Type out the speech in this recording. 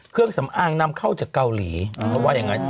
เครื่องสำอางนำเข้าจากเกาหลีเขาว่าอย่างนั้น